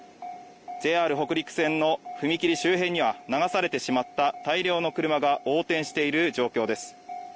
ＪＲ北陸線の踏切周辺には流されてしまった大量の車が横転している状況です。